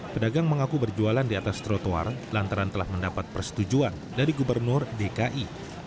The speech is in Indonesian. pedagang mengaku berjualan di atas trotoar lantaran telah mendapat persetujuan dari gubernur dki